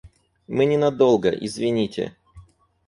Мы ненадолго, извините.